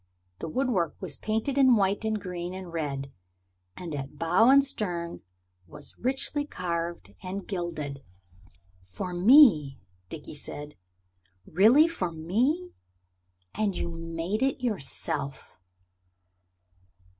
The woodwork was painted in white and green and red, and at bow and stern was richly carved and gilded. "For me," Dickie said "really for me? And you made it yourself!"